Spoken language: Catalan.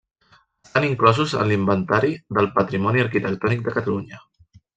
Estan inclosos en l'Inventari del Patrimoni Arquitectònic de Catalunya.